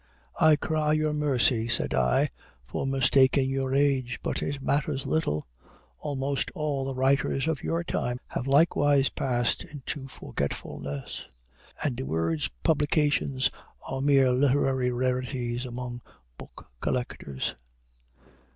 "I cry your mercy," said I, "for mistaking your age; but it matters little: almost all the writers of your time have likewise passed into forgetfulness; and De Worde's publications are mere literary rarities among book collectors.